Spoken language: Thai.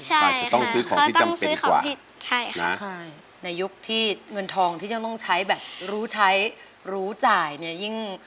ใช่ค่ะเขาต้องซื้อของที่จำเป็นกว่าใช่ค่ะในยุคที่เงินทองที่ยังต้องใช้แบบรู้ใช้รู้จ่ายเนี่ย